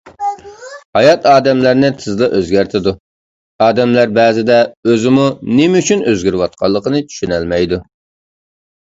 ھايات ئادەملەرنى تېزلا ئۆزگەرتىدۇ، ئادەملەر بەزىدە ئۆزىمۇ نېمە ئۈچۈن ئۆزگىرىۋاتقانلىقىنى چۈشىنەلمەيدۇ.